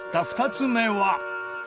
２つ目は。